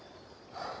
はあ。